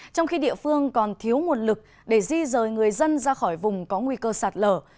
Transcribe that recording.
trong khi địa phương còn thiếu nguồn lực để di rời người dân ra khỏi vùng có nguy cơ sạt lở